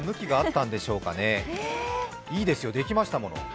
いいですよ、できましたもの。